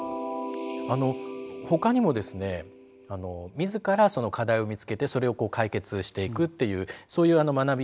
他にもですね自らその課題を見つけてそれを解決していくっていうそういう学び